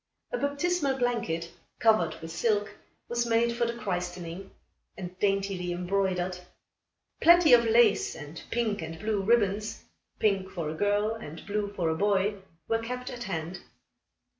A baptismal blanket, covered with silk, was made for the christening, and daintily embroidered. Plenty of lace, and pink and blue ribbons pink for a girl and blue for a boy were kept at hand.